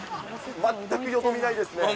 全くよどみないですね。